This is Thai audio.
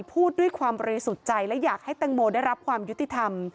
พูดด้วยความบริสุทธิ์ใจและอยากให้แตงโมได้รับความยุติธรรม